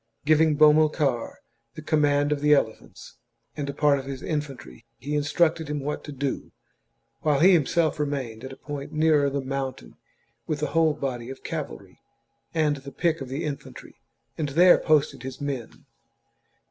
Giving Bomilcar the command of the elephants and a part of his infantry, he instructed him what to do, while he himself remained at a point nearer the mountain with the whole body of cavalry and the pick of the infantry, and there posted his men.